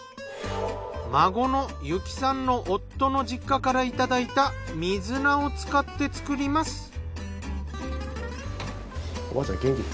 孫の侑己さんの夫の実家からいただいた水菜を使って作ります。